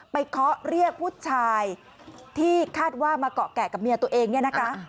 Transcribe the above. เคาะเรียกผู้ชายที่คาดว่ามาเกาะแกะกับเมียตัวเองเนี่ยนะคะ